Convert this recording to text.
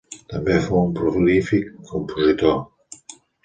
També fou un prolífic compositor.